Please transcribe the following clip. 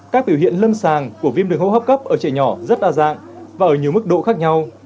các biểu hiện lâm sàng của viêm đường hô hấp cấp ở trẻ nhỏ rất đa dạng và ở nhiều mức độ khác nhau